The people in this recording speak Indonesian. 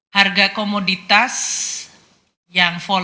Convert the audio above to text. harga komoditas yang empat